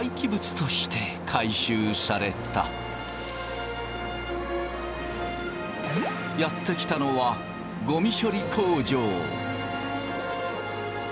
生ママはやって来たのはゴミ処理工場。